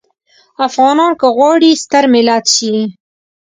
افغانان که غواړي ستر ملت شي.